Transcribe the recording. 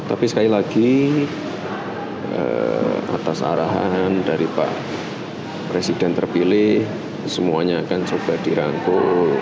tapi sekali lagi atas arahan dari pak presiden terpilih semuanya akan coba dirangkul